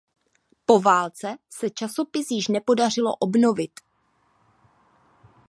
Po válce se časopis již nepodařilo obnovit.